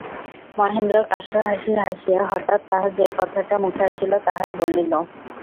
মহেন্দ্র কাষ্ঠহাসি হাসিয়া, হঠাৎ তাহার যে কথাটা মুখে আসিল তাহাই বলিল।